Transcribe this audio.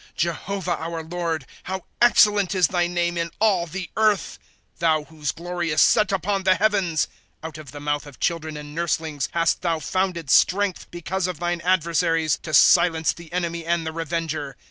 ' Jehovah, our Lord, How excellent is thy name in all the earth ; Thou whose glory is set upon the heavens !^ Out of the mouth of children and nurslings hast thou founded strength, Because of thine adversaries, To silence the enemy and the revenger.